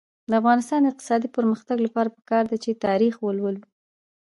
د افغانستان د اقتصادي پرمختګ لپاره پکار ده چې تاریخ ولولو.